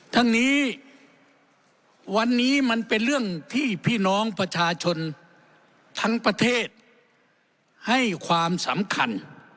ทั้งนี้วันนี้มันเป็นเรื่องที่พี่น้องประชาชนทั้งประเทศให้ความสำคัญ